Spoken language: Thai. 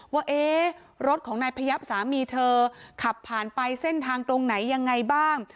ว่ารถของนายพยับสามีเธอขับผ่านไปเส้นทางตรงไหนยังไงบ้าง